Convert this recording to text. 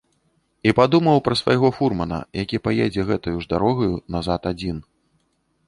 І падумаў пра свайго фурмана, які паедзе гэтаю ж дарогаю назад адзін.